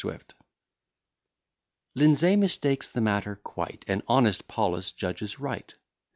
SWIFT Lindsay mistakes the matter quite, And honest Paulus judges right.